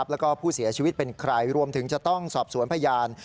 แล้วก็ผู้เสียชีวิตเป็นใครรวมถึงจะต้องสอบสวนพยาน